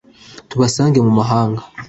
tubasange mu mahanga